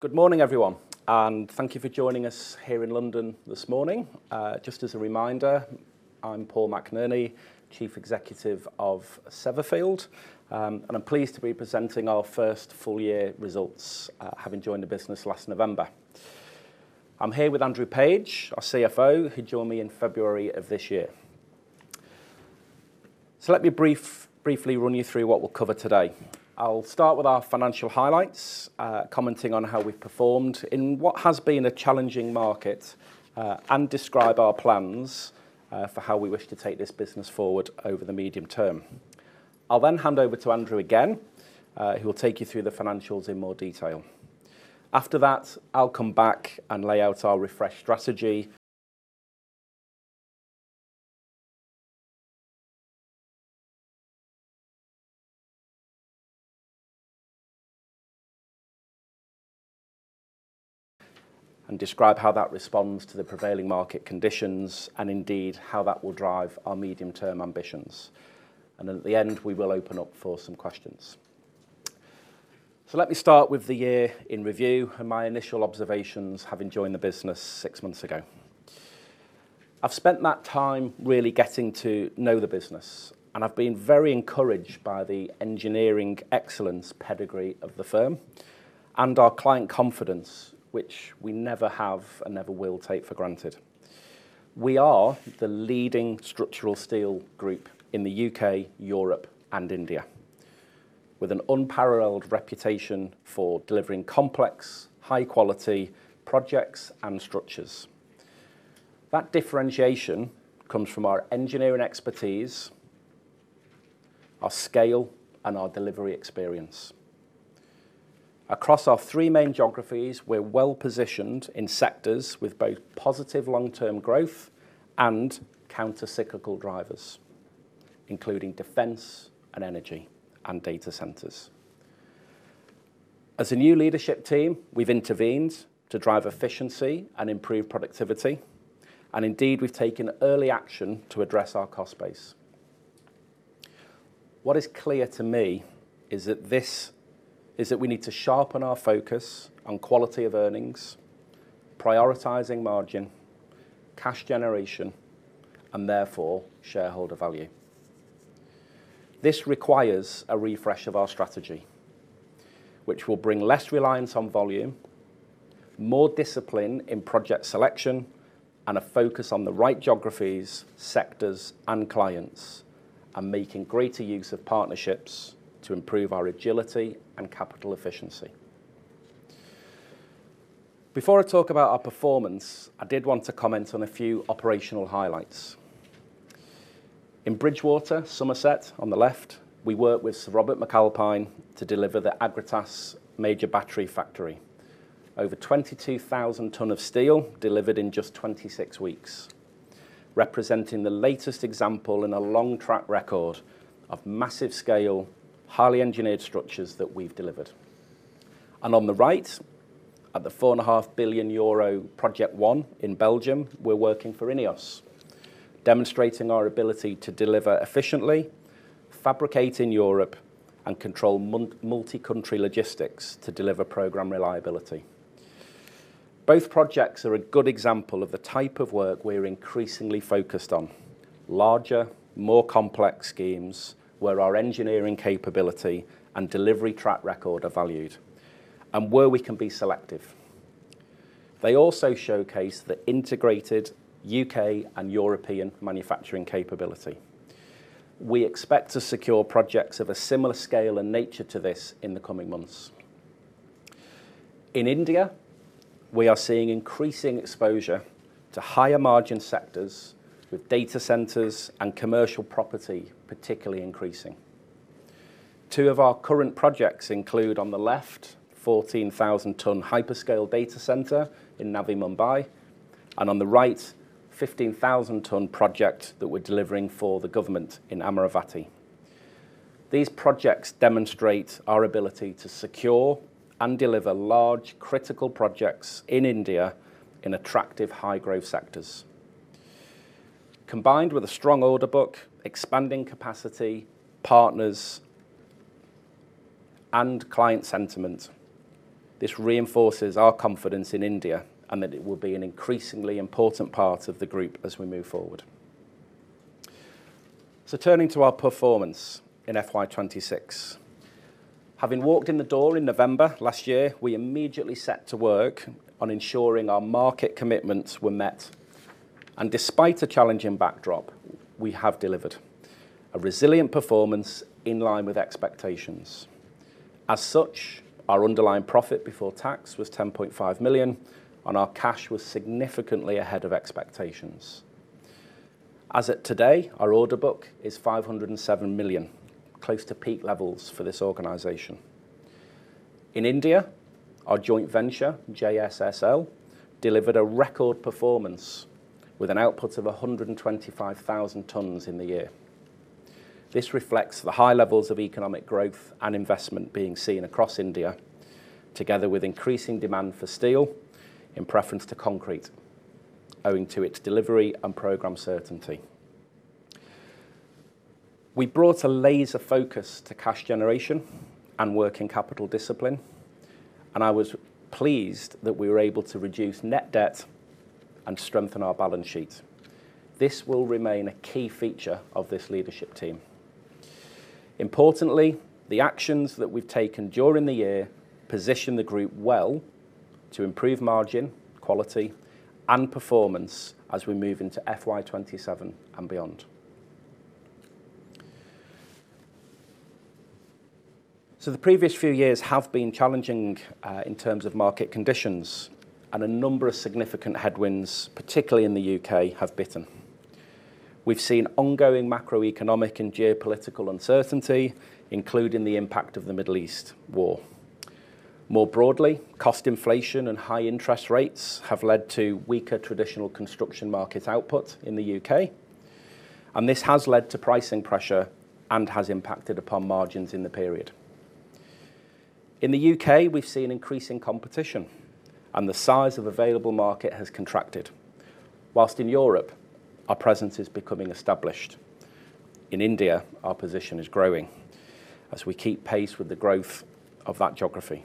Good morning, everyone, and thank you for joining us here in London this morning. Just as a reminder, I'm Paul McNerney, Chief Executive of Severfield. I'm pleased to be presenting our first full year results, having joined the business last November. I'm here with Andrew Page, our CFO, who joined me in February of this year. Let me briefly run you through what we'll cover today. I'll start with our financial highlights, commenting on how we've performed in what has been a challenging market, and describe our plans for how we wish to take this business forward over the medium term. I'll then hand over to Andrew again, who will take you through the financials in more detail. After that, I'll come back and lay out our refresh strategy and describe how that responds to the prevailing market conditions and indeed how that will drive our medium-term ambitions. At the end, we will open up for some questions. Let me start with the year in review and my initial observations, having joined the business six months ago. I've spent that time really getting to know the business, and I've been very encouraged by the engineering excellence pedigree of the firm and our client confidence, which we never have and never will take for granted. We are the leading structural steel group in the U.K., Europe, and India, with an unparalleled reputation for delivering complex, high-quality projects and structures. That differentiation comes from our engineering expertise, our scale, and our delivery experience. Across our three main geographies, we're well-positioned in sectors with both positive long-term growth and counter-cyclical drivers, including defense and energy and data centers. As a new leadership team, we've intervened to drive efficiency and improve productivity. Indeed, we've taken early action to address our cost base. What is clear to me is that we need to sharpen our focus on quality of earnings, prioritizing margin, cash generation, and therefore shareholder value. This requires a refresh of our strategy, which will bring less reliance on volume, more discipline in project selection, and a focus on the right geographies, sectors, and clients. And making greater use of partnerships to improve our agility and capital efficiency. Before I talk about our performance, I did want to comment on a few operational highlights. In Bridgwater, Somerset, on the left, we worked with Sir Robert McAlpine to deliver the Agratas major battery factory. Over 22,000 tons of steel delivered in just 26 weeks, representing the latest example in a long track record of massive scale, highly engineered structures that we've delivered. On the right, at the 4.5 billion euro Project ONE in Belgium, we're working for INEOS, demonstrating our ability to deliver efficiently, fabricate in Europe, and control multi-country logistics to deliver program reliability. Both projects are a good example of the type of work we're increasingly focused on. Larger, more complex schemes where our engineering capability and delivery track record are valued and where we can be selective. They also showcase the integrated U.K. and European manufacturing capability. We expect to secure projects of a similar scale and nature to this in the coming months. In India, we are seeing increasing exposure to higher margin sectors, with data centers and commercial property particularly increasing. Two of our current projects include, on the left, 14,000 ton hyperscale data center in Navi Mumbai. On the right, 15,000 ton project that we're delivering for the government in Amaravati. These projects demonstrate our ability to secure and deliver large, critical projects in India in attractive high-growth sectors. Combined with a strong order book, expanding capacity, partners, and client sentiment. This reinforces our confidence in India and that it will be an increasingly important part of the group as we move forward. Turning to our performance in FY 2026. Having walked in the door in November last year, we immediately set to work on ensuring our market commitments were met. Despite a challenging backdrop, we have delivered a resilient performance in line with expectations. As such, our underlying profit before tax was 10.5 million, and our cash was significantly ahead of expectations. As of today, our order book is 507 million, close to peak levels for this organization. In India, our joint venture, JSSL, delivered a record performance with an output of 125,000 tons in the year. This reflects the high levels of economic growth and investment being seen across India, together with increasing demand for steel in preference to concrete, owing to its delivery and program certainty. We brought a laser focus to cash generation and working capital discipline. I was pleased that we were able to reduce net debt and strengthen our balance sheet. This will remain a key feature of this leadership team. Importantly, the actions that we've taken during the year position the group well to improve margin, quality, and performance as we move into FY 2027 and beyond. The previous few years have been challenging in terms of market conditions and a number of significant headwinds, particularly in the U.K., have bitten. We've seen ongoing macroeconomic and geopolitical uncertainty, including the impact of the Middle East war. More broadly, cost inflation and high interest rates have led to weaker traditional construction market output in the U.K. This has led to pricing pressure and has impacted upon margins in the period. In the U.K., we've seen increasing competition. The size of available market has contracted. Whilst in Europe, our presence is becoming established. In India, our position is growing as we keep pace with the growth of that geography.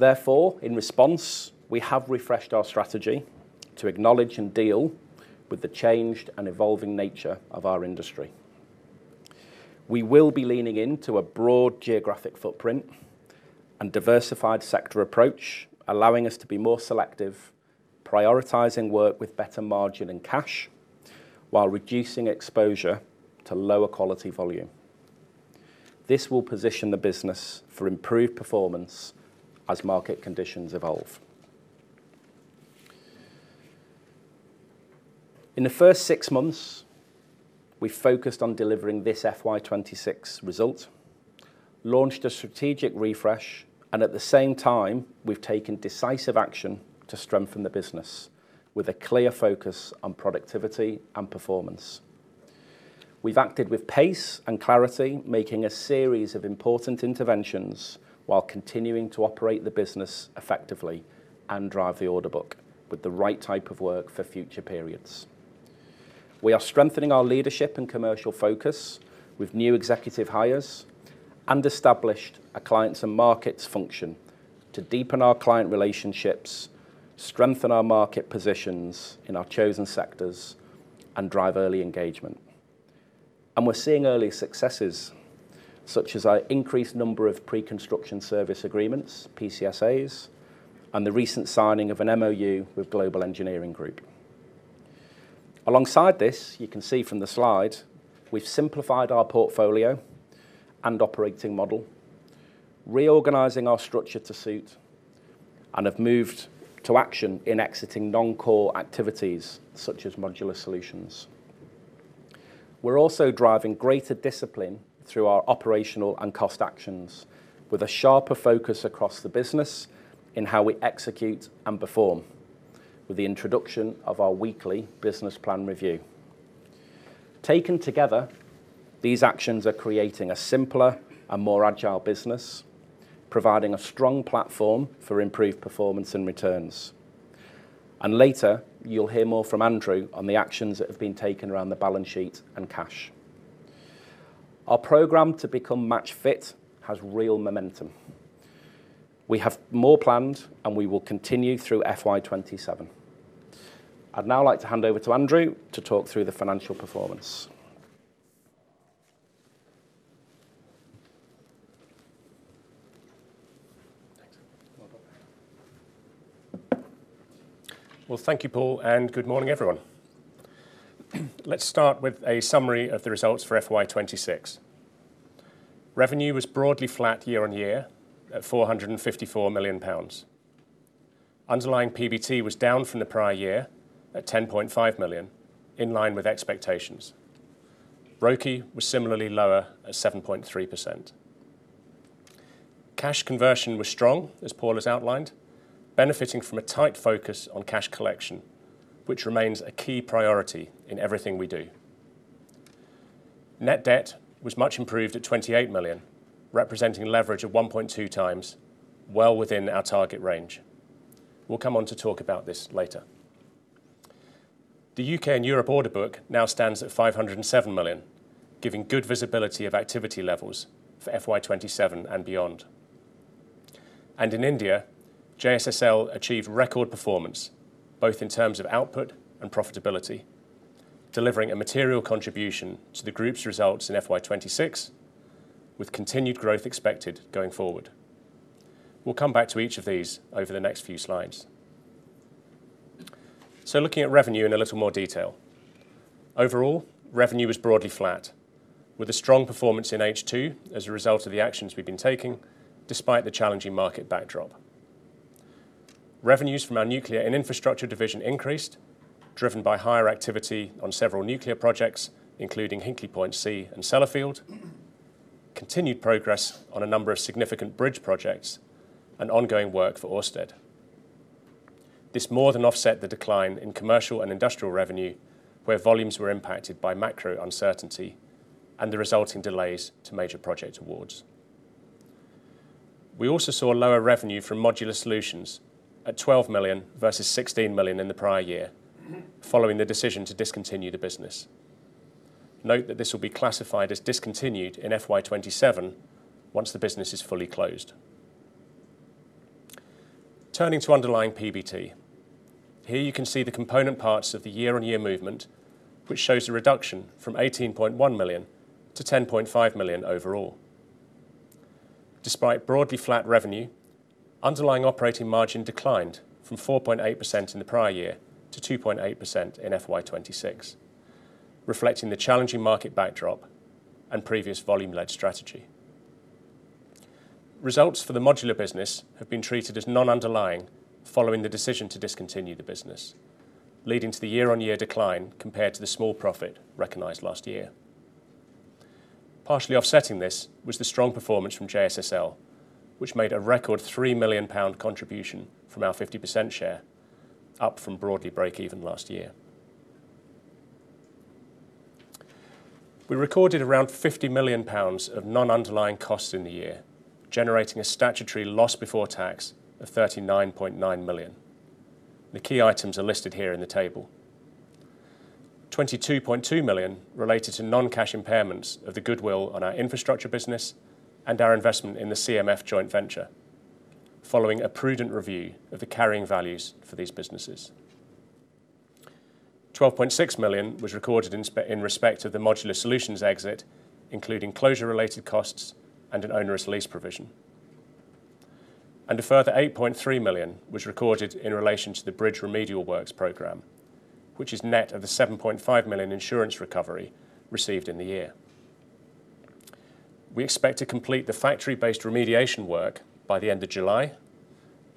In response, we have refreshed our strategy to acknowledge and deal with the changed and evolving nature of our industry. We will be leaning into a broad geographic footprint and diversified sector approach, allowing us to be more selective, prioritizing work with better margin and cash, while reducing exposure to lower quality volume. This will position the business for improved performance as market conditions evolve. In the first six months, we focused on delivering this FY 2026 result, launched a strategic refresh. At the same time, we've taken decisive action to strengthen the business with a clear focus on productivity and performance. We've acted with pace and clarity, making a series of important interventions while continuing to operate the business effectively and drive the order book with the right type of work for future periods. We are strengthening our leadership and commercial focus with new executive hires and established a clients and markets function. To deepen our client relationships, strengthen our market positions in our chosen sectors, and drive early engagement. We are seeing early successes, such as our increased number of Pre-Construction Services Agreements, PCSAs, and the recent signing of an MoU with Global Engineering Group. Alongside this, you can see from the slide, we have simplified our portfolio and operating model, reorganizing our structure to suit, and have moved to action in exiting non-core activities such as Modular Solutions. We are also driving greater discipline through our operational and cost actions with a sharper focus across the business in how we execute and perform with the introduction of our weekly business plan review. Taken together, these actions are creating a simpler and more agile business, providing a strong platform for improved performance and returns. Later, you will hear more from Andrew on the actions that have been taken around the balance sheet and cash. Our program to become match fit has real momentum. We have more planned, and we will continue through FY 2027. I would now like to hand over to Andrew to talk through the financial performance. Thanks. Well, thank you, Paul, and good morning, everyone. Let us start with a summary of the results for FY 2026. Revenue was broadly flat year-on-year at 454 million pounds. Underlying PBT was down from the prior year at 10.5 million, in line with expectations. ROCE was similarly lower at 7.3%. Cash conversion was strong, as Paul has outlined, benefiting from a tight focus on cash collection, which remains a key priority in everything we do. Net debt was much improved at 28 million, representing leverage of 1.2x, well within our target range. We will come on to talk about this later. The U.K. and Europe order book now stands at 507 million, giving good visibility of activity levels for FY 2027 and beyond. In India, JSSL achieved record performance, both in terms of output and profitability, delivering a material contribution to the group's results in FY 2026, with continued growth expected going forward. We will come back to each of these over the next few slides. Looking at revenue in a little more detail. Overall, revenue was broadly flat with a strong performance in H2 as a result of the actions we have been taking, despite the challenging market backdrop. Revenues from our nuclear and infrastructure division increased, driven by higher activity on several nuclear projects, including Hinkley Point C and Sellafield, continued progress on a number of significant bridge projects, and ongoing work for Ørsted. This more than offset the decline in commercial and industrial revenue, where volumes were impacted by macro uncertainty and the resulting delays to major project awards. We also saw lower revenue from Modular Solutions at 12 million versus 16 million in the prior year following the decision to discontinue the business. Note that this will be classified as discontinued in FY 2027 once the business is fully closed. Turning to underlying PBT. Here you can see the component parts of the year-on-year movement, which shows a reduction from 18.1 million to 10.5 million overall. Despite broadly flat revenue, underlying operating margin declined from 4.8% in the prior year to 2.8% in FY 2026, reflecting the challenging market backdrop and previous volume-led strategy. Results for the modular business have been treated as non-underlying following the decision to discontinue the business. Leading to the year-on-year decline compared to the small profit recognized last year. Partially offsetting this was the strong performance from JSSL, which made a record 3 million pound contribution from our 50% share, up from broadly break even last year. We recorded around 50 million pounds of non-underlying costs in the year, generating a statutory loss before tax of 39.9 million. The key items are listed here in the table. 22.2 million related to non-cash impairments of the goodwill on our infrastructure business and our investment in the CMF joint venture, following a prudent review of the carrying values for these businesses. 12.6 million was recorded in respect of the Modular Solutions exit, including closure-related costs and an onerous lease provision. A further 8.3 million was recorded in relation to the bridge remedial works program, which is net of the 7.5 million insurance recovery received in the year. We expect to complete the factory-based remediation work by the end of July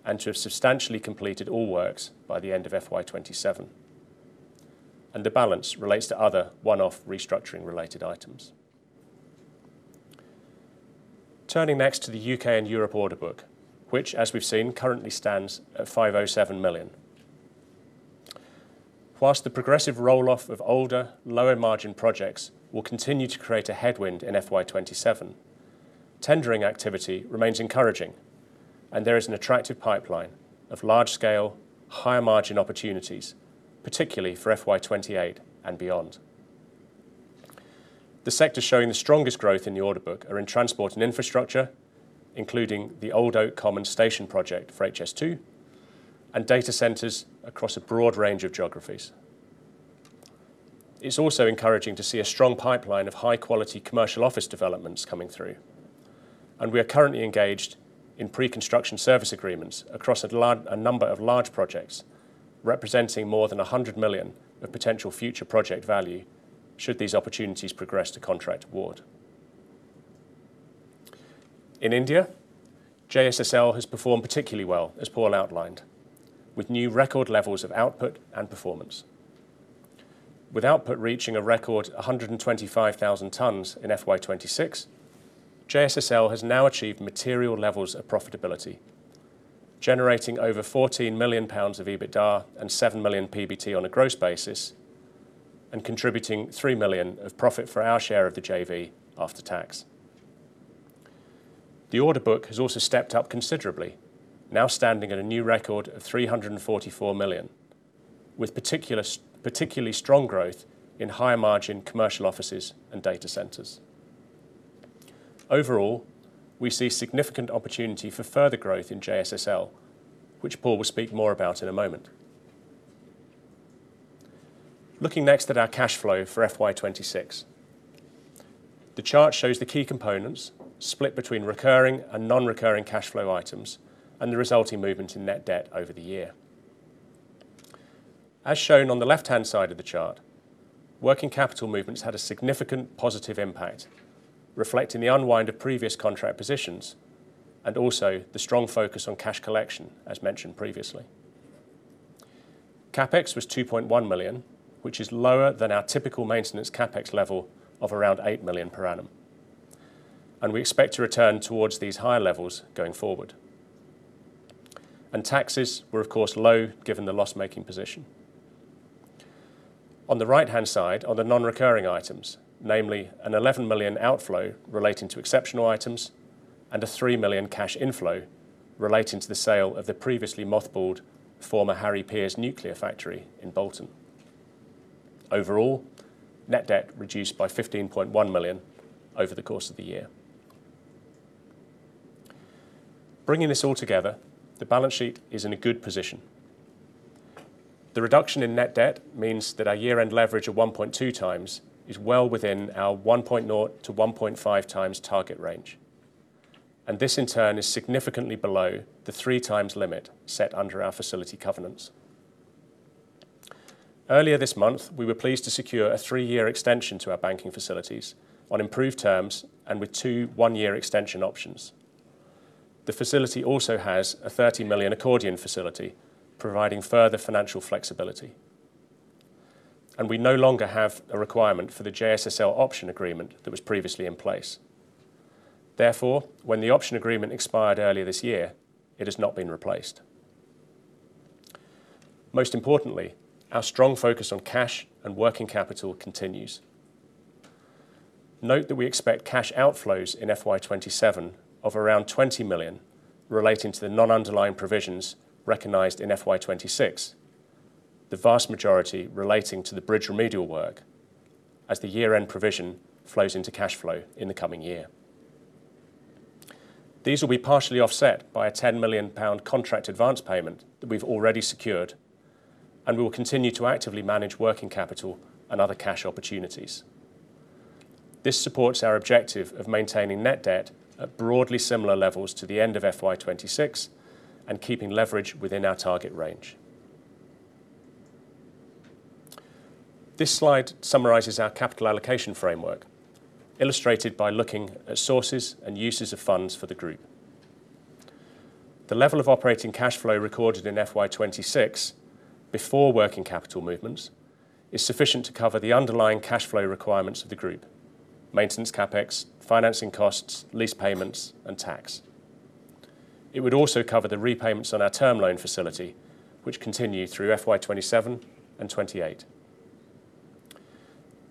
and to have substantially completed all works by the end of FY 2027. The balance relates to other one-off restructuring related items. Turning next to the U.K. and Europe order book, which as we've seen, currently stands at 507 million. Whilst the progressive roll-off of older, lower margin projects will continue to create a headwind in FY 2027. Tendering activity remains encouraging and there is an attractive pipeline of large scale, higher margin opportunities, particularly for FY 2028 and beyond. The sectors showing the strongest growth in the order book are in transport and infrastructure, including the Old Oak Common Station project for HS2 and data centers across a broad range of geographies. It's also encouraging to see a strong pipeline of high-quality commercial office developments coming through. And we are currently engaged in Pre-Construction Service Agreements across a number of large projects representing more than 100 million of potential future project value should these opportunities progress to contract award. In India, JSSL has performed particularly well, as Paul outlined, with new record levels of output and performance. With output reaching a record 125,000 tons in FY 2026. JSSL has now achieved material levels of profitability, generating over 14 million pounds of EBITDA and 7 million PBT on a gross basis, and contributing 3 million of profit for our share of the JV after tax. The order book has also stepped up considerably, now standing at a new record of 344 million, with particularly strong growth in higher margin commercial offices and data centers. Overall, we see significant opportunity for further growth in JSSL, which Paul will speak more about in a moment. Looking next at our cash flow for FY 2026. The chart shows the key components split between recurring and non-recurring cash flow items and the resulting movement in net debt over the year. As shown on the left-hand side of the chart, working capital movements had a significant positive impact. Reflecting the unwind of previous contract positions and also the strong focus on cash collection, as mentioned previously. CapEx was 2.1 million, which is lower than our typical maintenance CapEx level of around 8 million per annum, and we expect to return towards these higher levels going forward. Taxes were, of course, low given the loss-making position. On the right-hand side are the non-recurring items, namely a 11 million outflow relating to exceptional items and a 3 million cash inflow relating to the sale of the previously mothballed former Harry Peers nuclear factory in Bolton. Overall, net debt reduced by 15.1 million over the course of the year. Bringing this all together, the balance sheet is in a good position. The reduction in net debt means that our year-end leverage of 1.2x is well within our 1.0x-1.5x target range, and this in turn is significantly below the 3x limit set under our facility covenants. Earlier this month, we were pleased to secure a three-year extension to our banking facilities on improved terms and with two one-year extension options. The facility also has a 30 million accordion facility, providing further financial flexibility. We no longer have a requirement for the JSSL option agreement that was previously in place. Therefore, when the option agreement expired earlier this year, it has not been replaced. Most importantly, our strong focus on cash and working capital continues. Note that we expect cash outflows in FY 2027 of around 20 million relating to the non-underlying provisions recognized in FY 2026, the vast majority relating to the bridge remedial work, as the year-end provision flows into cash flow in the coming year. These will be partially offset by a 10 million pound contract advance payment that we've already secured. We will continue to actively manage working capital and other cash opportunities. This supports our objective of maintaining net debt at broadly similar levels to the end of FY 2026 and keeping leverage within our target range. This slide summarizes our capital allocation framework, illustrated by looking at sources and uses of funds for the group. The level of operating cash flow recorded in FY 2026, before working capital movements, is sufficient to cover the underlying cash flow requirements of the group: maintenance CapEx, financing costs, lease payments, and tax. It would also cover the repayments on our term loan facility, which continue through FY 2027 and FY 2028.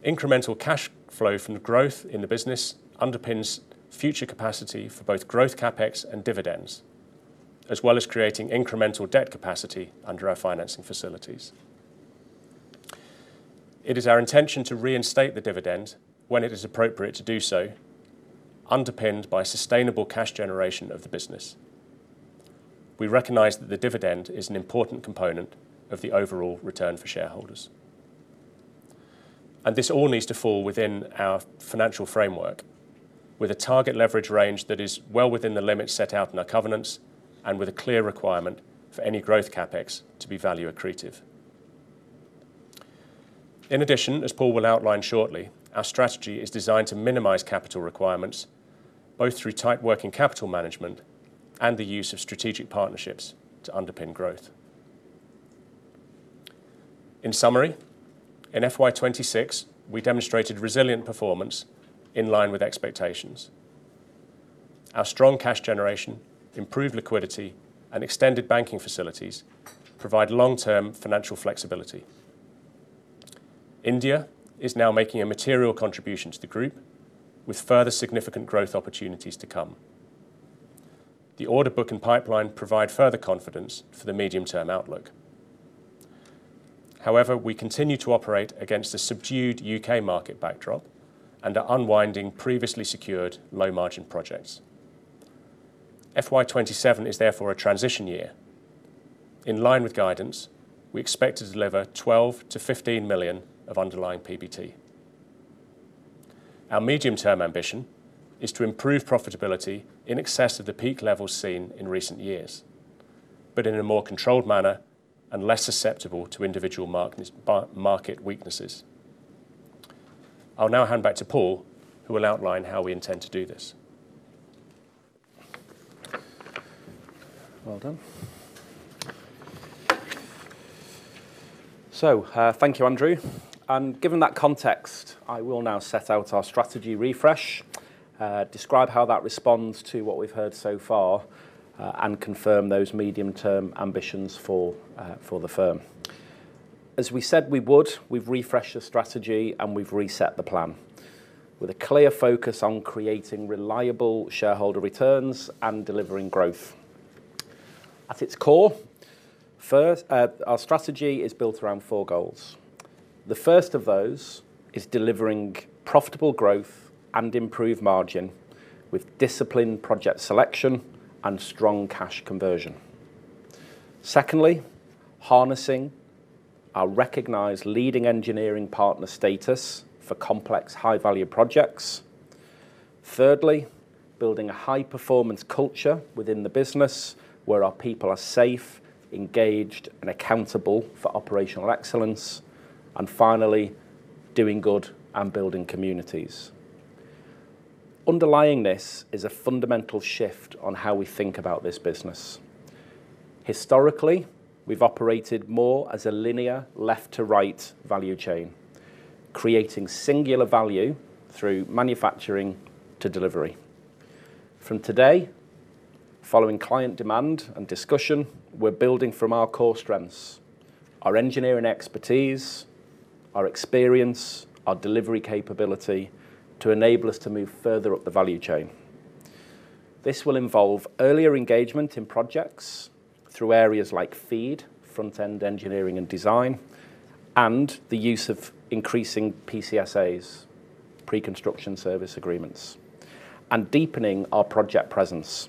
Incremental cash flow from growth in the business underpins future capacity for both growth CapEx and dividends, as well as creating incremental debt capacity under our financing facilities. It is our intention to reinstate the dividend when it is appropriate to do so, underpinned by sustainable cash generation of the business. We recognize that the dividend is an important component of the overall return for shareholders. This all needs to fall within our financial framework with a target leverage range that is well within the limits set out in our covenants and with a clear requirement for any growth CapEx to be value accretive. In addition, as Paul will outline shortly, our strategy is designed to minimize capital requirements both through tight working capital management and the use of strategic partnerships to underpin growth. In summary, in FY 2026, we demonstrated resilient performance in line with expectations. Our strong cash generation, improved liquidity, and extended banking facilities provide long-term financial flexibility. India is now making a material contribution to the group with further significant growth opportunities to come. The order book and pipeline provide further confidence for the medium-term outlook. However, we continue to operate against a subdued U.K. market backdrop and are unwinding previously secured low-margin projects. FY 2027 is therefore a transition year. In line with guidance, we expect to deliver 12 million-15 million of underlying PBT. Our medium-term ambition is to improve profitability in excess of the peak levels seen in recent years, but in a more controlled manner and less susceptible to individual market weaknesses. I will now hand back to Paul, who will outline how we intend to do this. Well done. Thank you, Andrew. Given that context, I will now set out our strategy refresh, describe how that responds to what we have heard so far, and confirm those medium-term ambitions for the firm. As we said we would, we have refreshed the strategy, and we have reset the plan with a clear focus on creating reliable shareholder returns and delivering growth. At its core, our strategy is built around four goals. The first of those is delivering profitable growth and improved margin with disciplined project selection and strong cash conversion. Secondly, harnessing our recognized leading engineering partner status for complex high-value projects. Thirdly, building a high-performance culture within the business where our people are safe, engaged, and accountable for operational excellence. Finally, doing good and building communities. Underlying this is a fundamental shift on how we think about this business. Historically, we have operated more as a linear left to right value chain, creating singular value through manufacturing to delivery. From today, following client demand and discussion, we are building from our core strengths, our engineering expertise, our experience, our delivery capability to enable us to move further up the value chain. This will involve earlier engagement in projects through areas like FEED, front-end engineering and design, and the use of increasing PCSAs, Pre-Construction Service Agreements, and deepening our project presence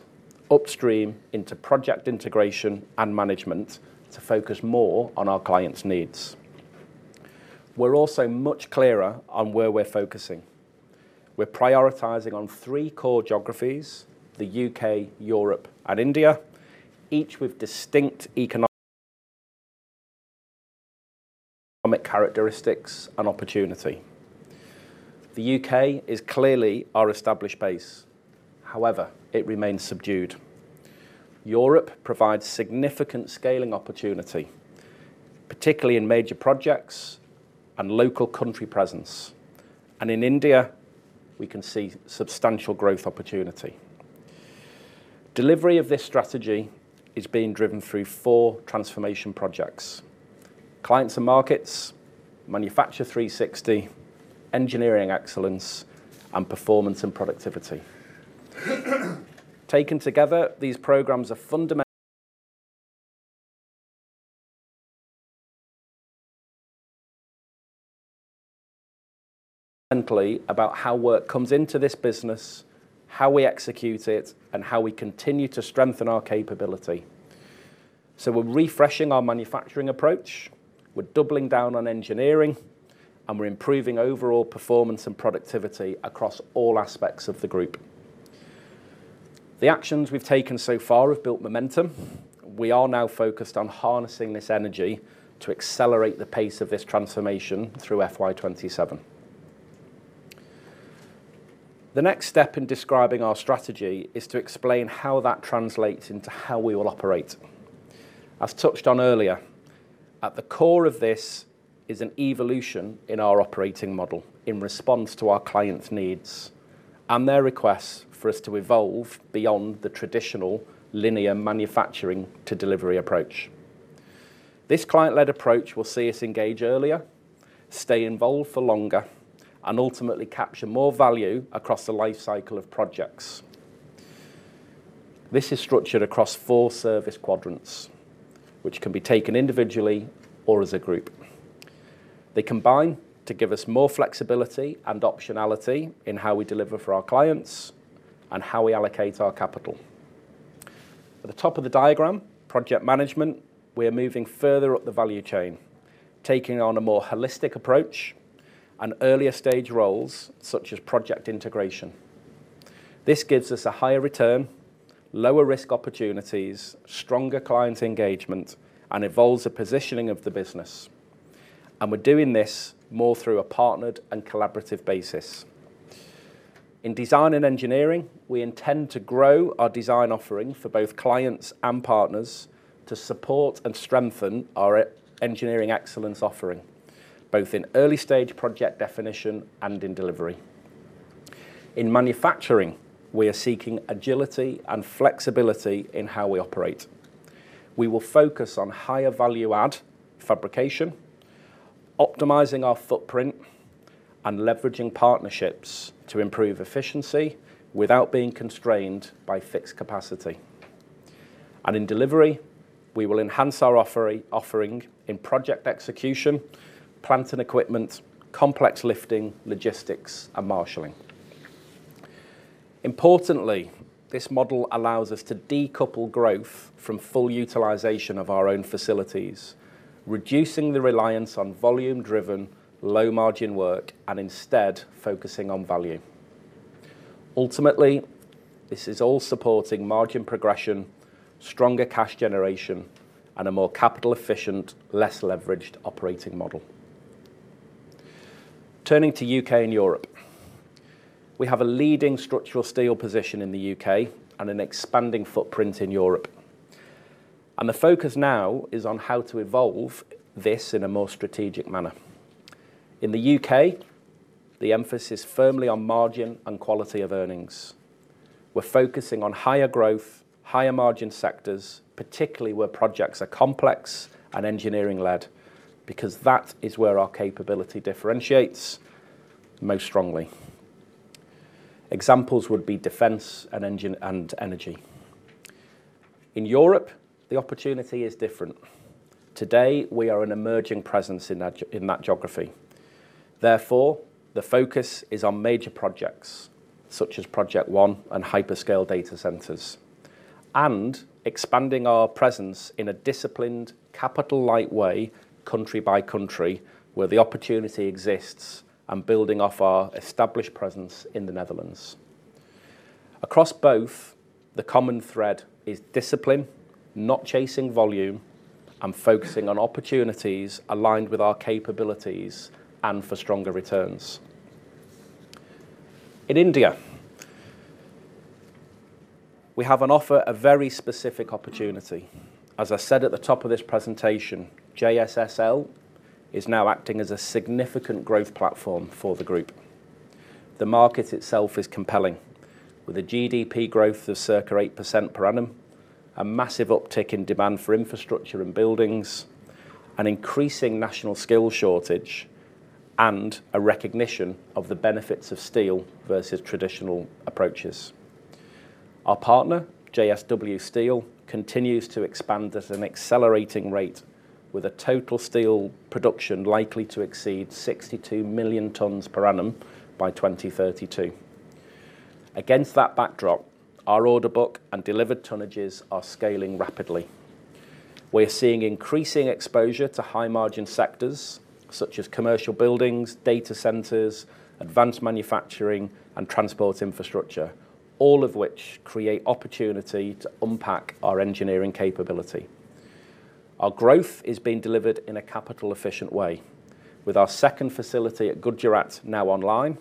upstream into project integration and management to focus more on our clients' needs. We are also much clearer on where we are focusing. We are prioritizing on three core geographies: the U.K., Europe, and India, each with distinct economic characteristics and opportunity. The U.K. is clearly our established base. However, it remains subdued. Europe provides significant scaling opportunity, particularly in major projects and local country presence. In India, we can see substantial growth opportunity. Delivery of this strategy is being driven through four transformation projects. Clients and markets, Manufacture 360, engineering excellence, and performance and productivity. Taken together, these programs are fundamentally about how work comes into this business, how we execute it, and how we continue to strengthen our capability. We're refreshing our manufacturing approach, we're doubling down on engineering, and we're improving overall performance and productivity across all aspects of the group. The actions we've taken so far have built momentum. We are now focused on harnessing this energy to accelerate the pace of this transformation through FY 2027. The next step in describing our strategy is to explain how that translates into how we will operate. As touched on earlier, at the core of this is an evolution in our operating model in response to our clients' needs and their requests for us to evolve beyond the traditional linear manufacturing to delivery approach. This client-led approach will see us engage earlier, stay involved for longer, and ultimately capture more value across the life cycle of projects. This is structured across four service quadrants, which can be taken individually or as a group. They combine to give us more flexibility and optionality in how we deliver for our clients and how we allocate our capital. At the top of the diagram, project management, we are moving further up the value chain. Taking on a more holistic approach and earlier stage roles such as project integration. This gives us a higher return, lower risk opportunities, stronger client engagement, and evolves the positioning of the business. We're doing this more through a partnered and collaborative basis. In design and engineering, we intend to grow our design offering for both clients and partners to support and strengthen our engineering excellence offering, both in early-stage project definition and in delivery. In manufacturing, we are seeking agility and flexibility in how we operate. We will focus on higher value add fabrication, optimizing our footprint, and leveraging partnerships to improve efficiency without being constrained by fixed capacity. In delivery, we will enhance our offering in project execution, plant and equipment, complex lifting, logistics, and marshaling. Importantly, this model allows us to decouple growth from full utilization of our own facilities, reducing the reliance on volume-driven, low-margin work and instead focusing on value. Ultimately, this is all supporting margin progression, stronger cash generation, and a more capital efficient, less leveraged operating model. Turning to U.K. and Europe. We have a leading structural steel position in the U.K. and an expanding footprint in Europe. The focus now is on how to evolve this in a more strategic manner. In the U.K., the emphasis firmly on margin and quality of earnings. We're focusing on higher growth, higher margin sectors, particularly where projects are complex and engineering-led, because that is where our capability differentiates most strongly. Examples would be defense and energy. In Europe, the opportunity is different. Today, we are an emerging presence in that geography. Therefore, the focus is on major projects such as Project ONE and hyperscale data centers, and expanding our presence in a disciplined, capital-light way, country by country, where the opportunity exists and building off our established presence in the Netherlands. Across both, the common thread is discipline, not chasing volume, and focusing on opportunities aligned with our capabilities and for stronger returns. In India, we have on offer a very specific opportunity. As I said at the top of this presentation, JSSL is now acting as a significant growth platform for the group. The market itself is compelling, with a GDP growth of circa 8% per annum, a massive uptick in demand for infrastructure and buildings, an increasing national skill shortage, and a recognition of the benefits of steel versus traditional approaches. Our partner, JSW Steel, continues to expand at an accelerating rate with a total steel production likely to exceed 62 million tons per annum by 2032. Against that backdrop, our order book and delivered tonnages are scaling rapidly. We are seeing increasing exposure to high-margin sectors such as commercial buildings, data centers, advanced manufacturing, and transport infrastructure, all of which create opportunity to unpack our engineering capability. Our growth is being delivered in a capital-efficient way with our second facility at Gujarat now online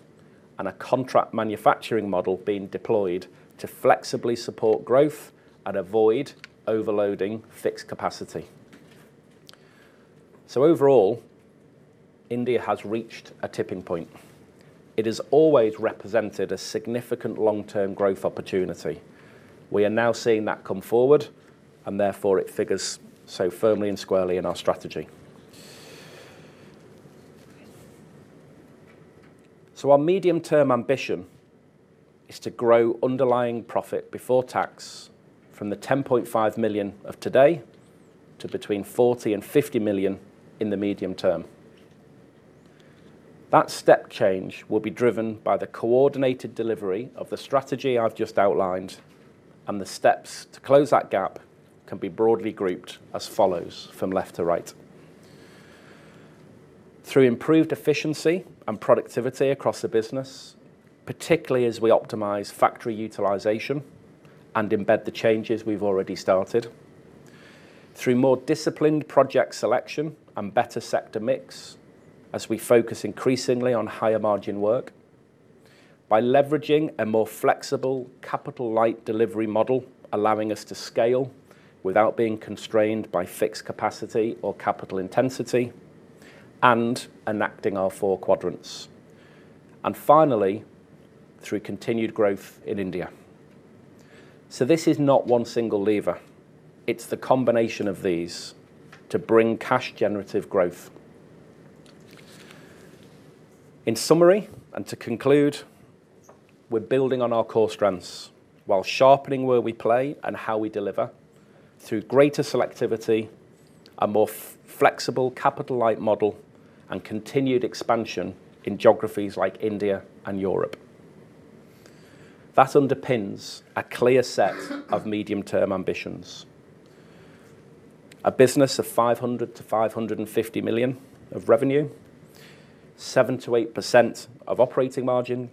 and a contract manufacturing model being deployed to flexibly support growth and avoid overloading fixed capacity. Overall, India has reached a tipping point. It has always represented a significant long-term growth opportunity. We are now seeing that come forward, and therefore it figures so firmly and squarely in our strategy. Our medium-term ambition is to grow underlying profit before tax from the 10.5 million of today to between 40 million and 50 million in the medium term. That step change will be driven by the coordinated delivery of the strategy I've just outlined, and the steps to close that gap can be broadly grouped as follows, from left to right. Through improved efficiency and productivity across the business, particularly as we optimize factory utilization and embed the changes we've already started. Through more disciplined project selection and better sector mix as we focus increasingly on higher margin work. By leveraging a more flexible capital-light delivery model, allowing us to scale without being constrained by fixed capacity or capital intensity, and enacting our four quadrants. Finally, through continued growth in India. This is not one single lever. It's the combination of these to bring cash generative growth. In summary, and to conclude, we're building on our core strengths while sharpening where we play and how we deliver through greater selectivity, a more flexible capital-light model, and continued expansion in geographies like India and Europe. That underpins a clear set of medium-term ambitions. A business of 500 million-550 million of revenue, 7%-8% of operating margin,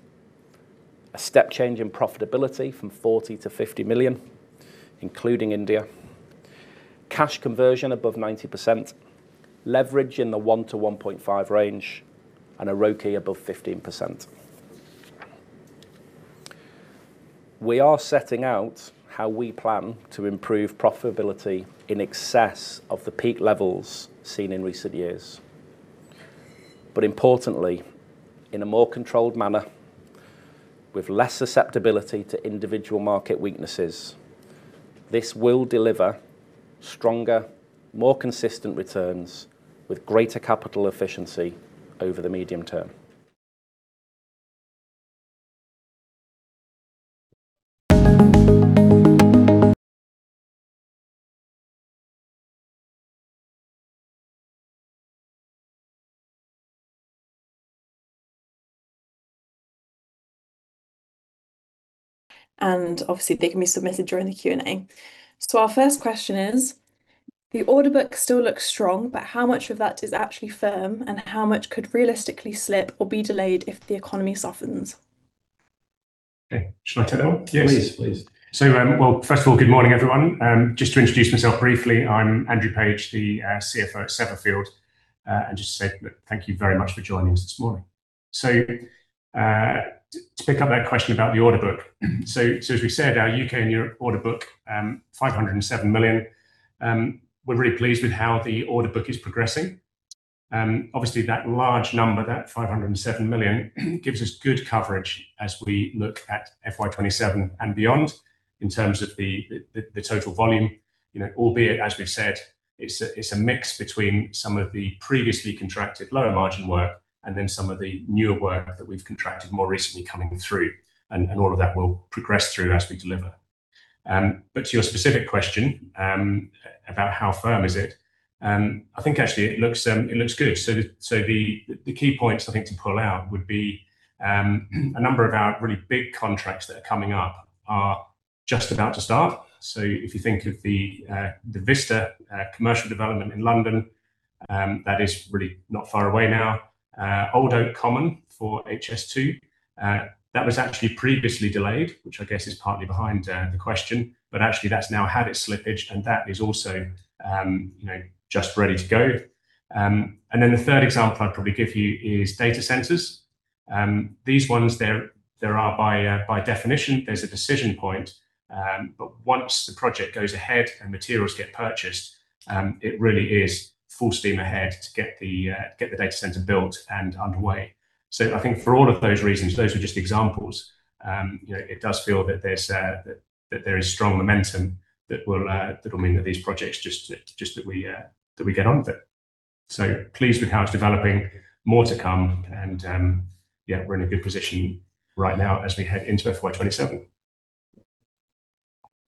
a step change in profitability from 40 million-50 million, including India, cash conversion above 90%, leverage in the 1.0x-1.5x range, and a ROCE above 15%. We are setting out how we plan to improve profitability in excess of the peak levels seen in recent years. Importantly, in a more controlled manner, with less susceptibility to individual market weaknesses. This will deliver stronger, more consistent returns with greater capital efficiency over the medium term. Obviously, they can be submitted during the Q&A. Our first question is, the order book still looks strong, but how much of that is actually firm? And how much could realistically slip or be delayed if the economy softens? Okay. Shall I take that one? Yes. Please. Well, first of all, good morning, everyone. Just to introduce myself briefly, I'm Andrew Page, the CFO at Severfield. Just to say thank you very much for joining us this morning. To pick up that question about the order book. As we said, our U.K. and Europe order book, 507 million. We're really pleased with how the order book is progressing. Obviously that large number, that 507 million, gives us good coverage as we look at FY 2027 and beyond in terms of the total volume. Albeit, as we've said, it's a mix between some of the previously contracted lower margin work and then some of the newer work that we've contracted more recently coming through, and all of that will progress through as we deliver. To your specific question about how firm is it, I think actually it looks good. The key points I think to pull out would be a number of our really big contracts that are coming up are just about to start. If you think of the Vista Commercial Development in London, that is really not far away now. Old Oak Common for HS2, that was actually previously delayed, which I guess is partly behind the question. Actually, that's now had its slippage, and that is also just ready to go. The third example I'd probably give you is data centers. These ones, there are by definition, there's a decision point. Once the project goes ahead and materials get purchased, it really is full steam ahead to get the data center built and underway. I think for all of those reasons, those are just examples. It does feel that there is strong momentum that will mean that these projects just that we get on with it. Pleased with how it's developing. More to come, and yeah, we're in a good position right now as we head into FY 2027.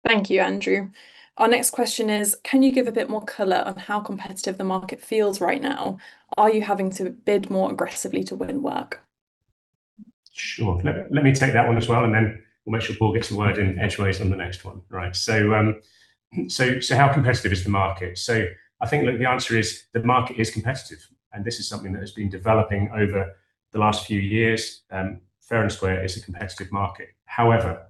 Thank you, Andrew. Our next question is, can you give a bit more color on how competitive the market feels right now? Are you having to bid more aggressively to win work? Sure. Let me take that one as well, and then we'll make sure Paul gets a word in edgeways on the next one. Right. How competitive is the market? I think, look, the answer is the market is competitive, and this is something that has been developing over the last few years. Fair and square, it's a competitive market. However,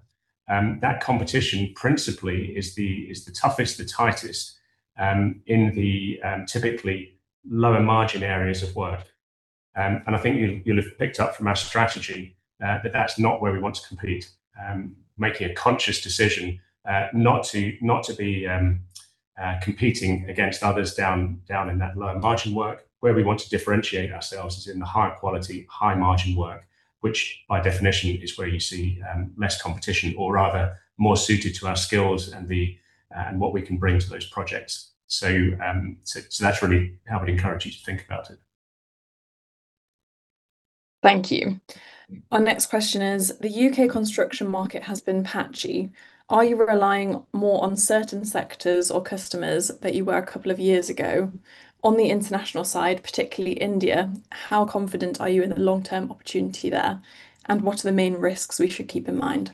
that competition principally is the toughest, the tightest in the typically lower-margin areas of work. I think you'll have picked up from our strategy that that's not where we want to compete. Making a conscious decision not to be competing against others down in that low-margin work. Where we want to differentiate ourselves is in the higher quality, high-margin work, which by definition is where you see less competition, or rather more suited to our skills and what we can bring to those projects. That's really how we'd encourage you to think about it. Thank you. Our next question is, the U.K. construction market has been patchy. Are you relying more on certain sectors or customers that you were a couple of years ago? On the international side, particularly India, how confident are you in the long-term opportunity there? And what are the main risks we should keep in mind?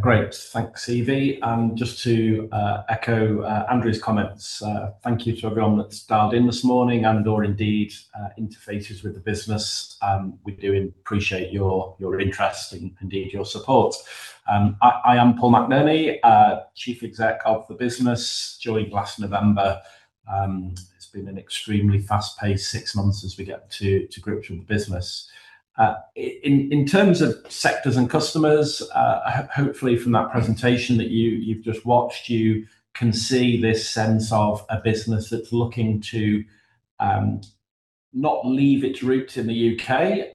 Great. Thanks, Evie. Just to echo Andrew's comments, thank you to everyone that's dialed in this morning and/or indeed interfaces with the business. We do appreciate your interest and indeed, your support. I am Paul McNerney, Chief Exec of the business, joined last November. It's been an extremely fast-paced six months as we get to grips with the business. In terms of sectors and customers, hopefully from that presentation that you've just watched. You can see this sense of a business that's looking to not leave its roots in the U.K.,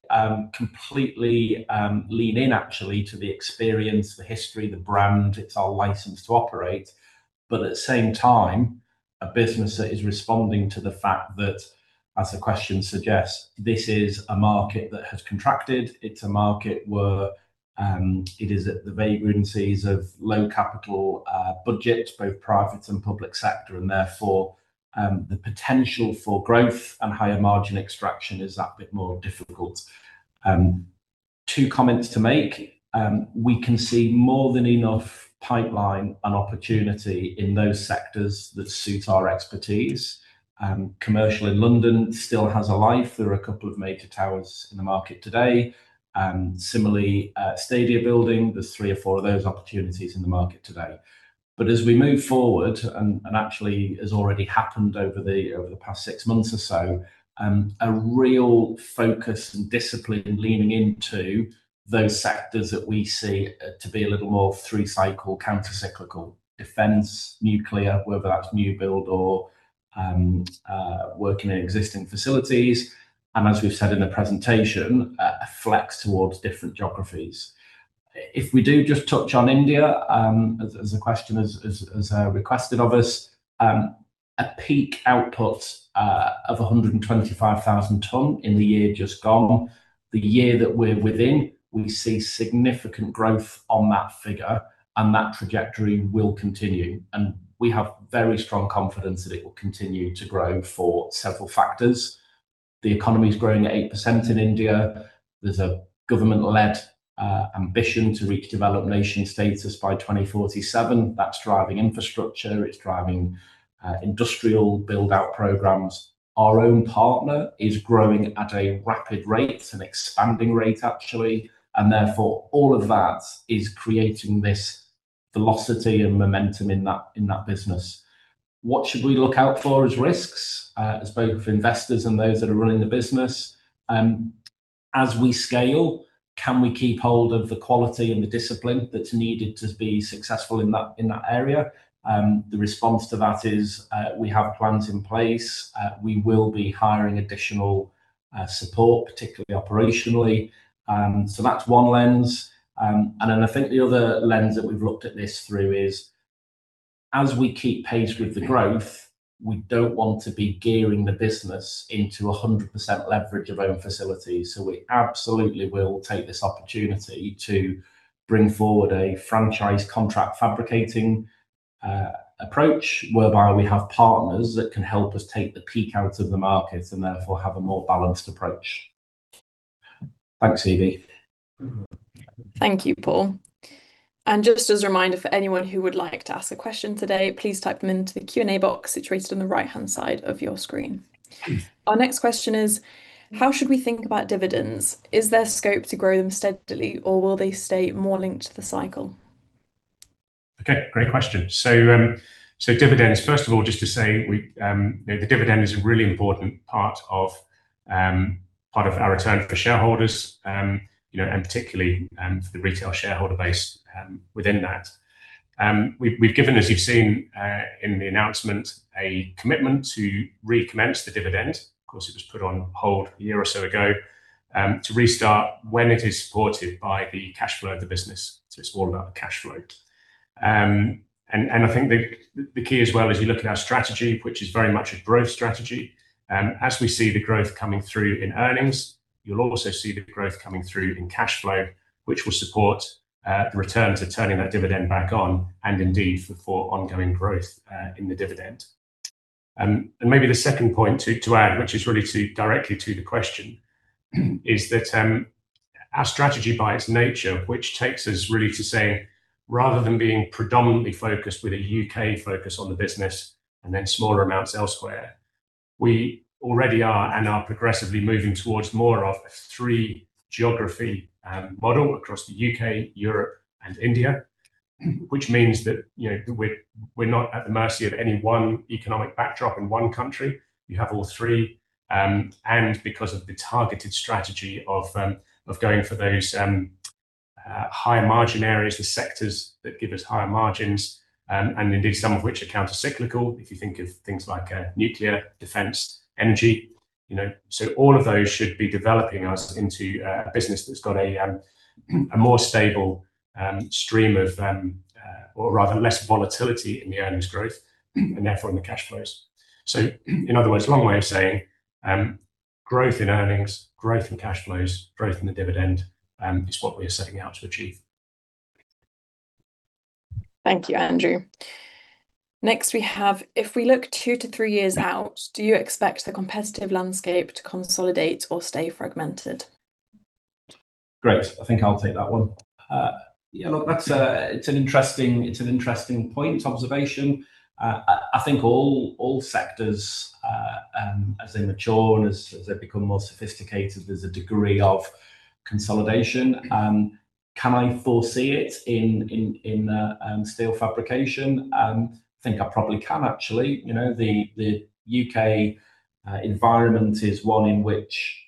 completely lean in actually to the experience, the history, the brand. It's our license to operate. At the same time, a business that is responding to the fact that, as the question suggests, this is a market that has contracted. It's a market where it is at the vagaries of low capital budget, both private and public sector. Therefore, the potential for growth and higher margin extraction is that bit more difficult. Two comments to make. We can see more than enough pipeline and opportunity in those sectors that suit our expertise. Commercial in London still has a life. There are a couple of major towers in the market today. Similarly, stadia building, there's three or four of those opportunities in the market today. As we move forward and actually has already happened over the past six months or so. A real focus and discipline leaning into those sectors that we see to be a little more through-cycle, counter-cyclical. Defense, nuclear, whether that's new build or working in existing facilities. As we've said in the presentation, a flex towards different geographies. If we do just touch on India, as the question has requested of us, a peak output of 125,000 ton in the year just gone. The year that we're within, we see significant growth on that figure, and that trajectory will continue, and we have very strong confidence that it will continue to grow for several factors. The economy's growing at 8% in India. There's a government-led ambition to reach developed nation status by 2047. That's driving infrastructure, it's driving industrial build-out programs. Our own partner is growing at a rapid rate, an expanding rate, actually. Therefore, all of that is creating this velocity and momentum in that business. What should we look out for as risks, as both investors and those that are running the business? As we scale, can we keep hold of the quality and the discipline that's needed to be successful in that area? The response to that is we have plans in place. We will be hiring additional support, particularly operationally. That's one lens. I think the other lens that we've looked at this through is as we keep pace with the growth. We don't want to be gearing the business into 100% leverage of own facilities. We absolutely will take this opportunity to bring forward a franchise contract fabricating approach, whereby we have partners that can help us take the peak out of the markets and therefore have a more balanced approach. Thanks, Evie. Thank you, Paul. Just as a reminder, for anyone who would like to ask a question today, please type them into the Q&A box situated on the right-hand side of your screen. Our next question is, how should we think about dividends? Is there scope to grow them steadily? Or will they stay more linked to the cycle? Okay, great question. Dividends, first of all, just to say, the dividend is a really important part of our return for shareholders. Particularly for the retail shareholder base within that. We've given, as you've seen in the announcement, a commitment to recommence the dividend, of course, it was put on hold a year or so ago, to restart when it is supported by the cash flow of the business. It's all about cash flow. I think the key as well is you look at our strategy, which is very much a growth strategy. As we see the growth coming through in earnings, you'll also see the growth coming through in cash flow, which will support the return to turning that dividend back on and indeed for ongoing growth in the dividend. Maybe the second point to add, which is really directly to the question, is that our strategy by its nature, which takes us really to say rather than being predominantly focused with a U.K. focus on the business and then smaller amounts elsewhere. We already are and are progressively moving towards more of a three geography model across the U.K., Europe, and India. Means that we're not at the mercy of any one economic backdrop in one country. You have all three. Because of the targeted strategy of going for those higher margin areas with sectors that give us higher margins, and indeed some of which are counter-cyclical, if you think of things like nuclear, defense, energy. All of those should be developing us into a business that's got a more stable stream of, or rather less volatility in the earnings growth and therefore in the cash flows. In other words, long way of saying growth in earnings, growth in cash flows, growth in the dividend is what we are setting out to achieve. Thank you, Andrew. Next we have, if we look two to three years out, do you expect the competitive landscape to consolidate or stay fragmented? Great. I think I'll take that one. Look, it's an interesting point observation. I think all sectors as they mature and as they become more sophisticated, there's a degree of consolidation. Can I foresee it in steel fabrication? I think I probably can actually. The U.K. environment is one in which